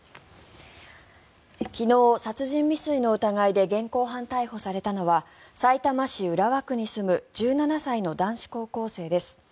昨日、殺人未遂の疑いで現行犯逮捕されたのはさいたま市浦和区に住む１７歳の男子高校生です。